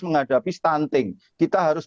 menghadapi stunting kita harus